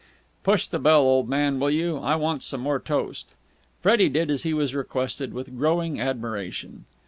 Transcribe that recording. "Push the bell, old man, will you? I want some more toast." Freddie did as he was requested, with growing admiration.